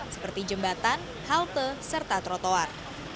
seperti jembatan halte serta trotoar